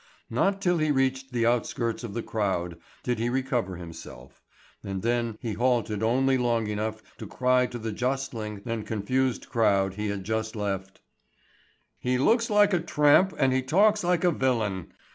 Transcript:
Not till he reached the outskirts of the crowd, did he recover himself, and then he halted only long enough to cry to the jostling and confused crowd he had just left: "He looks like a tramp and he talks like a villain.